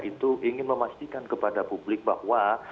itu ingin memastikan kepada publik bahwa